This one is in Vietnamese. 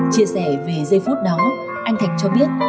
chia sẻ về giây phút đó anh thạch cho biết